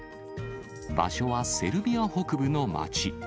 場所はセルビア北部の町。